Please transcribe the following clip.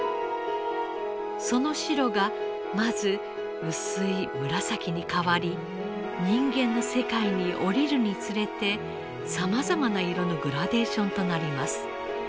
その白がまず薄い紫に変わり人間の世界に降りるにつれてさまざまな色のグラデーションとなります。